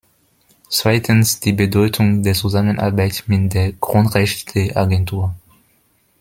Zweitens die Bedeutung der Zusammenarbeit mit der Grundrechteagentur.